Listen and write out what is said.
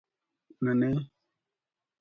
ننے